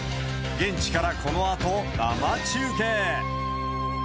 現地からこのあと生中継。